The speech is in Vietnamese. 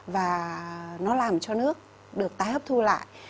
và nó làm cho nước được tái hấp thu lại